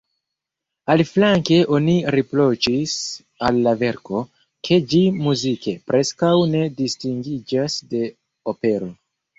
Aliaflanke oni riproĉis al la verko, ke ĝi muzike preskaŭ ne distingiĝas de opero.